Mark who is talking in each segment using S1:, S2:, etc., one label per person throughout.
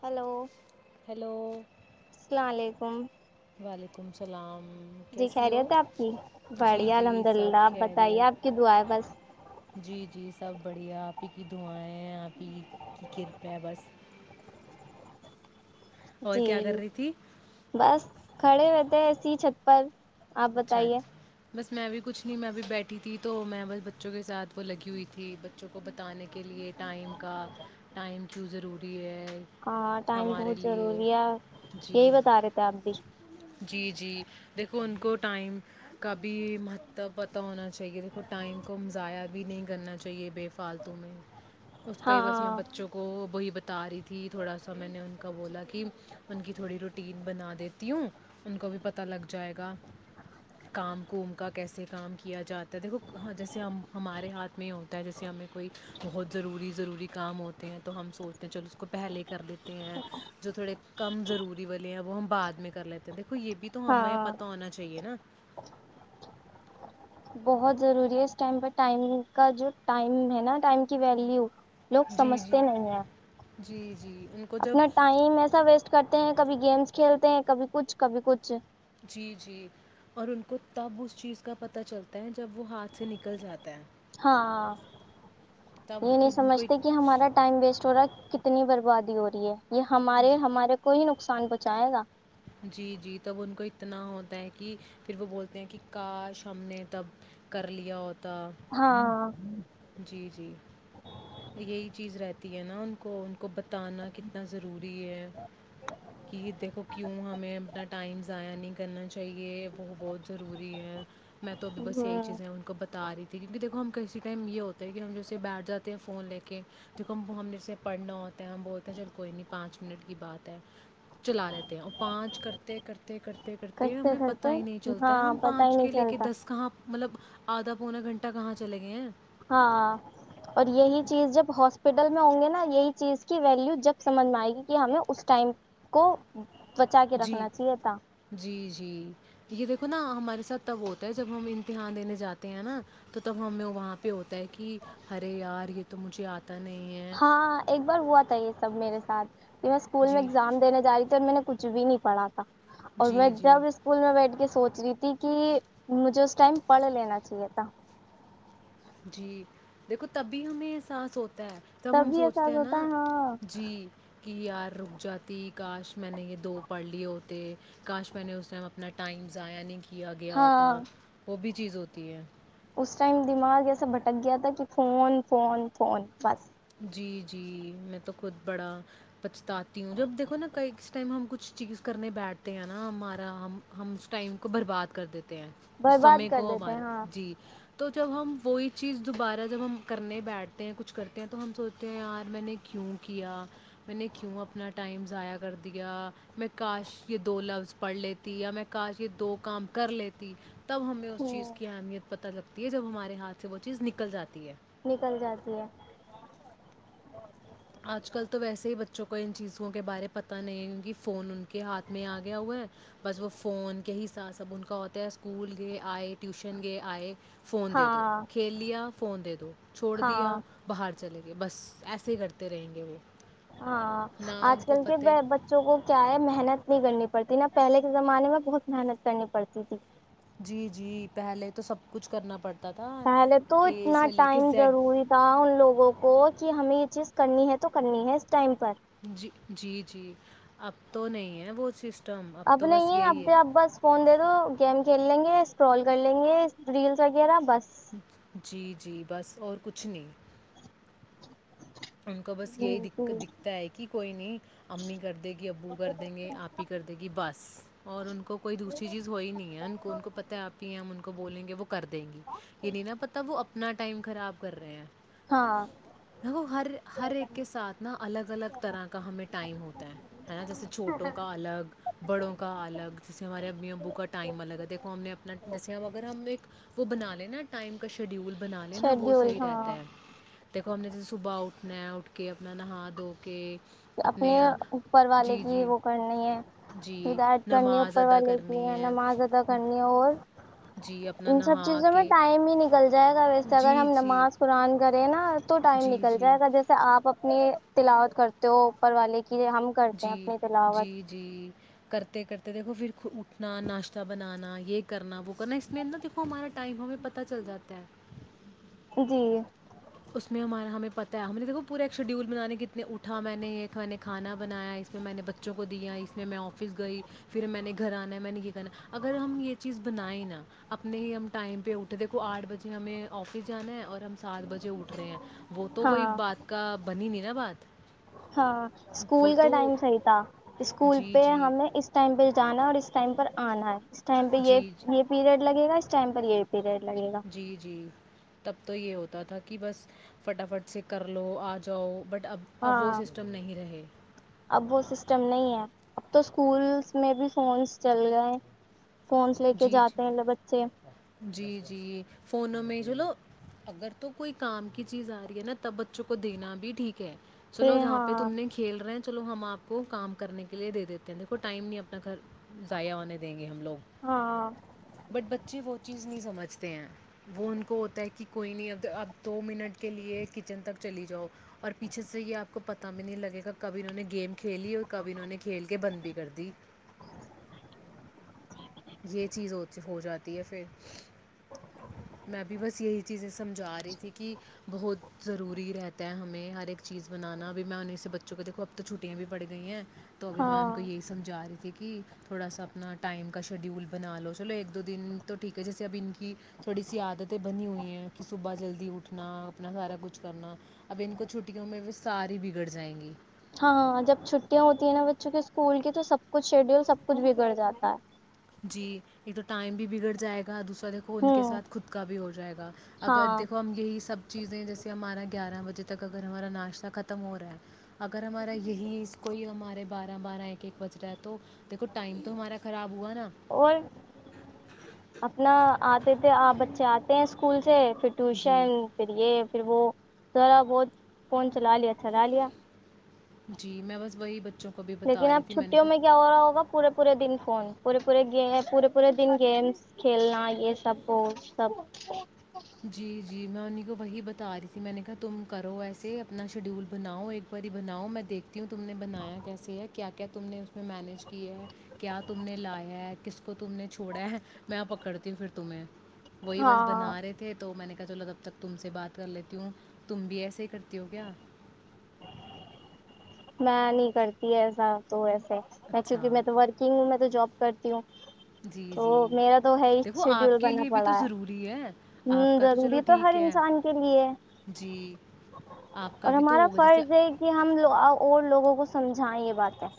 S1: Hello
S2: hello
S1: سالاعلیکم پن [unintelligible]
S2: وعلیکم السلام
S1: جی
S2: کیسی ہو
S1: خیریت ہے آپ کی
S2: جی
S1: بڑیا
S2: جی
S1: الحمد للہ
S2: سب
S1: آپ بتائیے آپ
S2: خیریت
S1: کی دعا ہے بس
S2: آ پ کی دعائیں پہ کی کرپا بس اور
S1: جی
S2: کیا کر رہی تھی
S1: بس کھڑے ہو ایسی چھپر آپ
S2: اچھا
S1: بتائیے
S2: اچھا بس میں بھی کچھ نہیں میں بھی بیٹھی تھی تو میں بس بچوں کے ساتھ وہ لگی ہوئی تھی بچوں کو بتانے کے لیے ٹائم کا ٹائم کیوں ضروری ہے
S1: ہاں ٹائم
S2: ہمارے
S1: بہت
S2: لیے
S1: ضروری ہے
S2: جی
S1: یہی بتا رہے تھے آپ بھی
S2: جی جی دیکھو ان کو ٹائم کا بھی مہت پتہ ہونا چاہیے دیکھو ٹائم کو ضائع بھی نہیں کرنا چاہیے بے فالتو میں اس کو
S1: ہاں
S2: ہی بس میں بچوں کو بی بتا رہی تھی تھوڑا سا میں نے کا بولا کہ ان کی تھوڑی روٹین بنا دیتی ہوں ان کو بھی پتہ لگ جائے گا کام کوم کا کیسے کام کیا جاتا ہے دیکھو ہاں جیسے ہم ہمارے ہاتھ میں ہی ہوتا ہے جیسے ہمیں کوئی بہت ضروری ضروری کام ہوتے ہیں تو ہم سوچتے ہیں چلو اس کو پہلے کر لیتے ہیں جو تھوڑے کم ضروری والے ہیں وہ ہم بعد میں کر لیتے ہیں دیک تو یہ بھی تو ہمیں پتا
S1: ہاں
S2: ہونا چاہیے نا [unintelligible]
S1: بہت ضروری ہے اس ٹائم پر ٹائم کا جو ٹائم ہے نا ٹائم کی ویلو لوگ
S2: جی جی
S1: سمجھتے نہیں ہیں
S2: جی جی ان کو جب
S1: اپنا ٹائم ایسا ویسٹ کر ہیں کبھی گیمس کھیلتے ہیں کبھی کچھ کبھی کچھ
S2: جی جی اور ان کو تب اس چیز کا پت چلتا ہے جب وہ ہاتھ سے نکل جاتا ہے
S1: ہاں
S2: تب
S1: یہ نہیں
S2: ان کو
S1: سمجھتے کہ ہمارا ٹائم ویسٹ ہو رہا ہے کتنی بربادی ہو رہی ہے یہ ہمارے ہمارے کوئی نقصان پہنچائے گا
S2: جی جی تب ان کو اتنا ہوتا ہے کہ پھر وہ بولتے ہیں کہ کاش ہم نے تب کر لیا ہوتا
S1: ہاں
S2: جی جی یہی چیز رہتی ہے نا ان کو ان کو بتانا کتنا ضروری ہے کہ دیکھو کیوں ہمیں اپنا ٹائم ضائع نہیں کرنا چاہیے وہ بہت ضروری ہے میں تو بھیھی بس یہی
S1: ہ
S2: چیزیں ان کو بتا رہی تھی ونک دیکو ہم کیسے [unintelligible] ٹائم یہ ہوتا ہے کہ ہم جیسے بیٹھ جاتے ہیں فون لے کے کیونکہ ہم ہم جسے پڑھنا ہوتا ہے ہم بولتے ہیں چل کوئی نہیں پانچ منٹ کی بات ہے چلا لیتے ہیں اور پانچ کرتے کرتے کرتے کرتے ہمیں پتا
S1: کرتے
S2: ہی نہیں چلتا ہے
S1: ہاں
S2: ہم
S1: پتا ہی
S2: پانچ
S1: نہیں
S2: کے لے کے
S1: چلتا
S2: دس کہاں مطلب آدھا پونا گھنٹہ کہاں چلے گئے ہیں [unintelligible]
S1: ہاں اور یہی چیز جب ہو [unintelligible] ہاپٹل میں ہوں گے نا یہی چیز کی ویلیو جب سمجھ میں آئے گی کہ ہمیں اس ٹائم کو [unintelligible] کے
S2: جی
S1: رکھنا چاہیے تھا
S2: جی جی یہ دیکھو نا ہمارے ساتھ [unintelligible] تب ہوتا ہے جب ہم امتحان دینے جاتے ہیں نا تو تب ہمیں وہاں پہ ہو [unintelligible] کہ ہرے یار یہ [unintelligible] تو مجھے آتا [unintelligible] ہے۔
S1: ہاں ایک بار ہوا تھا یہ سب میرے سے [unintelligible] سات [unintelligible] ج میں اسکول میں
S2: جی،
S1: ایگزام دینے جا رہی تھی اور میں [unintelligible] کچھ بھی نہیں پڑھا تھا [unintelligible] اور میں
S2: جی، جی،
S1: جب اسکول میں بیٹھ کے سوچ رہی تھی [unintelligible] کہ مجھے اس ٹائم پڑھ لینا چاہیے تھا [unintelligible]
S2: جی دیکھو تبھی ہمیں احساس ہوتا [unintelligible] ہے تب ہم
S1: یہ
S2: سوچتے
S1: احساس
S2: ہیں نا
S1: ہوتا ہے ہاں
S2: جی کہ یار رک جاتی [unintelligible] کاش میں نے یہ دو پڑھ لیے ہوتے کاش میں نے اس ٹائم اپنا ٹائم ضائع نہیں کیا [unintelligible] کیا گیا ہوتا
S1: ہاں
S2: وہ بھی چیز ہوتی [unintelligible] تی ہے [unintelligible]
S1: اس ٹائم دماغ ایسا بھٹک گیا تھا کہ فون فون فون بس [unintelligible]
S2: جی جی میں تو خود بڑا پچھتی ہوں جب دیکھو نا ک ٹائم ہم کچھ چیز کرنے بیٹھتے ہیں نا ہمارا [unintelligible] ٹائم کو برباد کر دیتے ہیں اس سمے
S1: برباد کر
S2: کو
S1: دیتے
S2: ہمار
S1: ہیں ہاں
S2: جی تو جب ہم وہئی [unintelligible] چیز دوبارہ جب ہم کرنے بیٹھتے ہیں کچھ کرتے [unintelligible] تو ہم سوچتے ہیں یار میں نے کیوں کیا [unintelligible] میں نے کیوں اپنا ٹائم [unintelligible] ضائع کر دیا میں کاش یہ دو لفظ پڑھ لیتی یا میں کاش یہ دو کام کر لیتی [unintelligible] تب ہمیں اس چیز
S1: ہوں،
S2: کی اہمیت پتہ لگتا ہے [unintelligible] تی ہے جب ہمارے ہاتھ سے وہ چیز نکل جاتی ہے [unintelligible]
S1: نکل جاتی ہے [unintelligible]
S2: آج کل تو ویسے ہی بچوں کو ان چیزوں کے بارے میں پت نہیں ہے کہ فون ا [unintelligible] کے ہاتھ میں آ گیا ہوا ہے بس وہ فون کے حساتاب سے [unintelligible] سب ان کا ہوتا ہے اسکول گئے آئے [unintelligible] ٹیوشن گے آئے فون
S1: ہاں
S2: دے دو کھیل لیا فون دے دو چھوڑ دیا
S1: ہاں
S2: باہر د [unintelligible] چلے گئے بس ایسے ہی کرتے [unintelligible] تے رہیں گے وہ [unintelligible]
S1: ہاں
S2: نہ ان
S1: آج
S2: کو
S1: کل کے
S2: پتہ
S1: بچوں کو کیا ہے محنت نہیں کرنی پ [unintelligible] پڑتی نا پہلے کے زمانے میں بہت محنت کرنی پڑتی تھی
S2: جی جی پہلے تو سب کچھ کرنا پڑتا تھا
S1: پہلے تو
S2: اے
S1: اتنا
S2: سے لے کے
S1: ٹائم
S2: زیڈ
S1: ضروری تھا ان لوگوں کو کہ ہمیں چیز کرنی ہے تو کرنی ہے ٹائم پر
S2: جی جی جی اب تو نہیں ہے وہ سس
S1: اب نہیں ہے اب اب بس فون دے دو گیم کھیل لیں گے اسکرال کر لیں گے ریلس وغیرہ بس
S2: جی جی بس اور کچھ نہیں ان کو بس
S1: جی
S2: یہی
S1: جی
S2: دکھتا ہے کہ کوئی نہیں امی کر دے گی ابو کر دیں گے آپ ہی کر دے گی بس اور ان کو کوئی دوسری چیز ہو ہی نہیں ہے ان کو ان کو پت ہے آپ ہی ہیں ہم ان کو بولیں گے وہ کر دیں گی یہ نہیں نا پتا وہ اپنا ٹائم خراب کر رہے ہیں
S1: ہاں
S2: دیکھو ہر ہر ایک کے ساتھ نا الگ الگ طرح کا ہمیں ٹائم ہوتا ہے نا جیسے چھوٹوں کا الگ بڑوں کا الگ جیسے ہمارے امی ابو کا ٹائم الگ ہے دیکھو ہم نے اپنا جیسے ہم اگر ہم ایک وہ بنانے ائم کا شیڈیول بنا لیںینا وہ
S1: شیڈیول
S2: صحیح
S1: ہاں
S2: رہتا ہے دیکو ہم نے ج صبح اٹھنا ہے اٹھ کے اپنا نہا دھو کے
S1: اپنے اوپر والے
S2: جی
S1: کی
S2: جی
S1: وہ کرنی ہے
S2: جی
S1: ہدایت کرنی ہے
S2: نماز
S1: اوپر
S2: ادا
S1: والے کی
S2: کرنی
S1: ہے نماز ادا کرنی ہے اور
S2: جی اپنا
S1: ان سب
S2: نہا
S1: چیزوں میں
S2: کے
S1: ٹائم ہی نکل جائے گا ویسے اگر
S2: جی
S1: ہم
S2: جی
S1: نماز قرآن کریں نا تو ٹائم
S2: جی
S1: نکل
S2: جی
S1: جائے گا جیسے آپ اپنے لاوت کرتے تو اوپر والے کی ہم کرتے
S2: جی
S1: ہیں اپنی
S2: جی
S1: تلاوت
S2: جی کرتے کرتے دیکھو پھر اٹھنا ناشتہ بنانا یہ کرنا وہ کرنا اس میں نہا دیکھو ہمارا ٹائم ہمیں پتہ چل جاتا ہے
S1: جی
S2: اس میں ہمارا ہمیں پتا ہے ہم نے دیکو پورا ایک شیڈیول بنانے کی ات اٹھا میں نے یہ نے کھانا بنایا اس میں میں نے بچوں کو دیا اس میں میں آفس گئی پھر میں نے گھر آنا ہے میں نے یہ کرنا اگر ہم یہ چیز بنائیں نا اپنے ہی ہم ٹائم پہ اٹھے دیکھو آٹھ بجے ہمیں آفس جانا ہے اور رمساد بس اٹھ رہے ہیں وہ تو کوئی
S1: ہاں
S2: بات کا بنی نہیں نا بات
S1: ہاں
S2: وہ
S1: اسکول کا
S2: تو
S1: ٹائم صحیح تھا اسکول
S2: جی
S1: پہ
S2: جی
S1: ہمیں اس ٹائم پہ جانا اور اس ٹائم پر آنا ہے اس ٹائم پہ یہ
S2: جی جی
S1: یہ پیریڈ لگےا اس ٹائم پر یہ پہ
S2: جی جی تب تو یہ ہوتا تھا کہ بس فٹافٹ سے کر لو آ جاؤ بٹ اب اب وہ
S1: ہاں
S2: سسٹم نہیں رہے
S1: اب وہ سسٹم نہیں ہے اب تو اسکولس میں بھی فونس چل گئے فونس لے کے
S2: جی جی
S1: جاتے ہیں لو بچے
S2: جی جی فونوں میں چلو اگر تو کوئی کام کی چیز آ رہی ہے نا تب بچوں کو دینا بھی ٹھیک چلو جہاں پہ
S1: ہاں
S2: تم نے کھیل رہے ہیں چلو ہم آپ کو کام کرنے کے لیے دے دیتے دیکھو ٹائم نہیں اپنا گھر ضائع ہونے دیں گے ہم لوگ
S1: ہاں
S2: بٹ بچے وہ چیز [inaudible] کچھ نہیں سمجھتے ہیں وہ ان کو ہوتا ہے کہ کوئی نہیں اب اب دو منٹ کے لیے کچن تک چلی جاؤ اور پیچھے سے یہ آپ کو پتہ بھی نہیں لگے گا کبھی انہوں نے گیم کھیلی اور کبھی انہوں نے کھیل کے بند بھی کر دی یہ چیز ہو جاتی ہے پھر میں بھی بس یہی چیزیں سمجھا رہی تھی کہ بہت ضروری فری رہتا ہے ہمیں ہر ایک چیز بنانا بھیھی میں انہیں سے بچوں کو دھو اب تو چھٹیاں بھی پڑ گئی ہیں تو ابھی میں ان کو
S1: ہاں
S2: یہی سمجھا رہی تھی کہ تھوڑا سا اپنا ٹائم کا شیڈیول بنا لو چلو ایک دو دن تو ٹھیک ہے جیسے اب ان کی تھوڑی سی عادتیں بنی ہوئی ہیں کہ صبح جلدی اٹھنا اپنا سارا کچھ کرنا اب ان کو چھٹیوں میں ساری بگڑ جائیں گی
S1: ہاں جب چھٹیاں ہوتی ہیں نا بچوں کے اسکول کی تو سب کچھ شیڈیول سب کچھ بگڑ جاتا ہے
S2: جی ایک تو ٹائم بھی بگڑ جائے گا دوسرا [unintelligible] دیکھو ان کے
S1: ہوں
S2: ساتھ خود کا بھی ہو جائے گا اگر
S1: ہاں
S2: دیکو ہم یہی سب چیزیں جیسے ہمارا گیارہ بجے تک اگر ہمارا ناشتہ خم تمور ہے اگر ہمارا یہی اس کوئی ہمار بارہ بارہ ایک ایک بج رہا ہے تو دیکو ٹائم تو ہمارا خراب ہو
S1: اور اپنا آتے تھے آپ بچے آتے ہیں اسکول سے پھر
S2: جی
S1: ٹیوشن پھر یہ پھر وہ ذرا بہت فون چلا لیا چلا لیا
S2: جی میں بس وہی بچوں کو بھی
S1: لیکن
S2: بتا رہی
S1: اب
S2: تھی نے
S1: چھٹیوں
S2: کہا
S1: میں کیا ہو رہا ہوگا پورے پورے دن فن پورے پورے گ پورے پورے دن گیمس کھیلنا یہ سب وہ سب
S2: جی جی میں انہیں کو وہی بتا رہی تھی میں نے کہا تم کرو ایسے اپنا شیڈیول بناؤ ایک باری بناؤ میں دیکھ ہوں تم نے بنایا کیس ہے کیا تم نے اس میں مینیج کیا ہے کیا تم نے لایا ہے کس کو تم نے چھوڑا ہے میں پکڑتی ہوں پھر تمہیں وہی بس
S1: ہاں
S2: بنا رہے تھے تو میں نے کہا چ تب تک تم سے بات کر لیتی ہوں تم بھی ایسے ہی کرتی ہو کیا
S1: میں نہیں کرتی ایسا تو ایسا میں کیونکہ
S2: اچھا
S1: میں تو ورکنگ ہوں میں تو جاب کرتی ہوں
S2: جی
S1: تو
S2: جی
S1: میرا تو ہے ہی
S2: دیکھو
S1: شیڈیول
S2: آپ کے
S1: بنا
S2: لیے بھی تو
S1: پڑا ہے
S2: ضروری ہے
S1: ہ
S2: آپ کا چلو
S1: ضروری تو ہر
S2: ٹھیک ہے
S1: انسان کے لیے ہے
S2: جی آپ کا
S1: اور
S2: بھی تو
S1: ہمارا
S2: ہوگا جیسے
S1: فرض ہے کہ ہم اور لوگوں کو سمجھائیں یہ بات ہے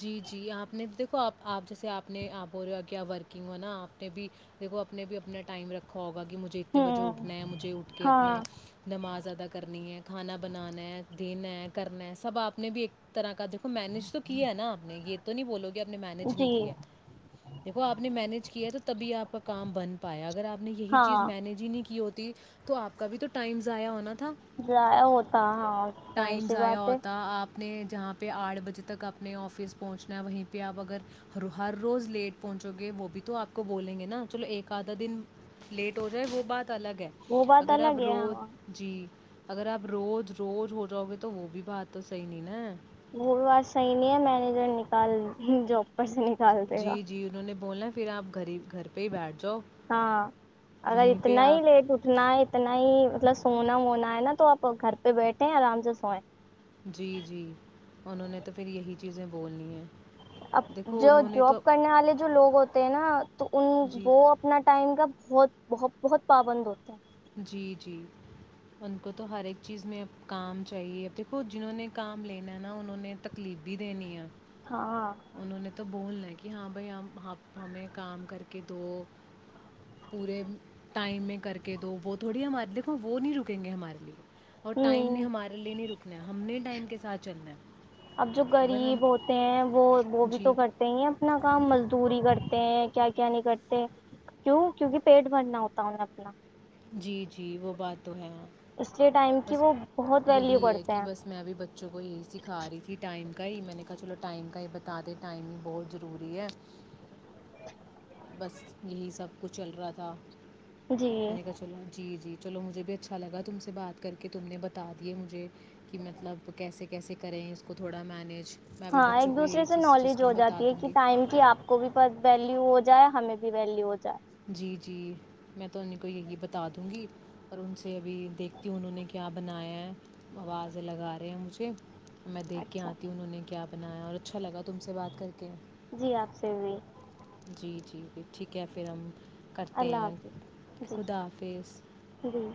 S2: جی جی آپ نے دیکھو آپ آپ جیسے آپ نے آپ بول رہے ہو کیا ورکنگ ہو نا آپ نے بھی دیکھو آپ نے بھی اپنا ٹائم رکھا ہوگ ہوا کہ مجھے اتنے بجے
S1: ہوں
S2: اٹھنا ہے مجھے اٹھ کے اپنا
S1: ہاں
S2: نماز ادا کرنی ہے کھانا بنانا ہے دینا ہے کرنا ہے سب آپ نے بھی ایک طرح کا دیکھو مینج تو کیا ہے ناپ نے یہ تو نہیں بولو آپ نے مینج نہیں
S1: جی
S2: کیا دیکھو آپ نے مینج کیا ہے تو تبھی آپ اپنے کام بن پائے اگر آپ نے یہی چیز
S1: ہاں
S2: مینج ہی نہیں کی ہوتی تو آپ کا بھی تو ٹائم ضائع ہونا تھا
S1: ج ہوتا ہاں ر سی بات ہے
S2: اپنے جہاں پہ آٹھ بجے تک آ اپنے آفس پہنچنا ہے وہیں پہ آپ اگر ہ ہر روز لیٹ پہنچو گے وہ بھی تو آپ کو بولیں گے نا چلو ایک آدھا دن لیٹ ہو جائے وہ بات الگ ہے
S1: وہ بات
S2: اگر آپ
S1: الگ ہے
S2: روز
S1: ہاں
S2: جی اگر آپ روز روز ہو جاؤ گے تو وہ بھی بات تو صحیح نہیں نا
S1: ب بار صحیح نہیں ہے مینجر نکال جاب پر سے ن
S2: جی جی انہوں نے بولا پھر آپ گھر ہی گھر پہ ہی بیٹھ جاؤ
S1: ہاں اگر
S2: وہیں پہ
S1: اتنا ہی
S2: آپ
S1: لیٹ اٹھنا ہے اتنا ہی مطلب سونا وونا ہے نا تو آپ گھر پہ بیٹھیں آرام سے سوئیں
S2: جی جی انہوں نے تو پھر یہی چیزیں بولنی ہیں
S1: اب
S2: دیکھو
S1: جو
S2: انہوں نے تو
S1: جاب کرنے والے جو لوگ ہوتے ہیں نا تو ان
S2: جی
S1: وہ اپنا ٹائم کا بہت بہت بہت پابند ہوتے ہیں
S2: جی جی ان کو تو ہر ایک چیز میں اب کام چاہیے اب دیکھو جنہوں نے کام لینا ہے نا انہوں نے تکلیف بھی دینی ہے
S1: ہاں
S2: انہوں نے تو بون ل کہ ہاں بھائی ہم ہمیں کام کر کے دو پورے ٹائم میں کر کے کہ دو وہ تھوڑی ہے ہمارے دیکھو وہ نہیں رکیں گے ہمارے لیے اور ٹائم نے
S1: ہوں
S2: ہمارے لیے نہیں رکنا ہے ہم نے ٹائم کے ساتھ چلنا ہے
S1: اب جو
S2: اگر ہم
S1: غریب ہوتے ہیں وہ
S2: جی
S1: دوری کرتے ہیں کیا کیا نہیں کرتے کیوں کیوںکہ پیٹ بھرنا ہوتا انیں اپنا
S2: جی جی وہ بات تو ہےاں
S1: اس لیے ٹائم کی
S2: بس
S1: وہ بہت ویلیو
S2: یہی ہے
S1: کرتے
S2: کہ
S1: ہیں
S2: بس میں ابھی بچوں کو یہی سکھا رہی تھی ٹائم کا ہی میں نے کہا چلو ٹائم کا یہ بتا دیں ٹائم ہی بہت ضروری ہے بس یہی سب کچھ چل رہا تھا
S1: جی
S2: پ کا چولہ جی جی چلو مجھے بھی اچھا لگا تم سے بات کر کے تم نے بتا دیے مجھے کہ مطلب کیسے کیسے کریں اس کو تھوڑا مینیج میں بھی
S1: ہاں ایک
S2: بچوں کو
S1: دوسرے
S2: یہی
S1: سے
S2: چیز
S1: نالج ہو
S2: سسٹم بتا
S1: جاتی ہے
S2: دوں
S1: کہ
S2: گی
S1: ٹائم کی آپ کو بھی ویلی و ہو جائے ہمیں بھی ویلیو ہو جائے
S2: جی جی میں تونی کو یہی بتا دوں گی اور ان سے ابھی دیکھتی ہوں انہوں نے کہ آپ بنایا ہے آوازیں لگا رہے ہیں مجھے میں دیکھ کے
S1: اچھا
S2: آتی ہوں انہوں نے کیا بنایا اور اچھا لگا تم سے بات کر کے
S1: جی آپ سے بھی
S2: جی جی ٹھیک ہے پھر ہم کرتے
S1: اللہ
S2: ہیں
S1: حافظ جی
S2: خدا حافظ
S1: جی